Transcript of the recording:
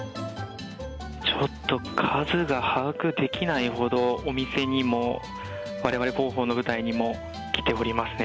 ちょっと数が把握できないほど、お店にも、われわれ広報の部隊にも来ておりますね。